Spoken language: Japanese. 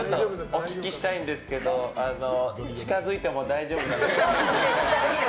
お聞きしたいんですけど近づいても大丈夫ですか？